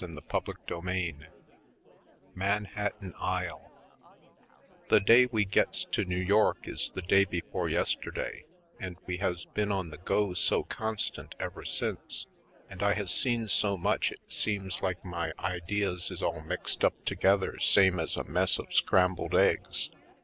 Manhattan Isle 41 CHAPTER III Manhattan Isle THE day we gets to New York is the day before yesterday and we has been on the go so constant ever since and I has seen so much it seems like my ideas is all mixed up together same as a mess of scrambled eggs.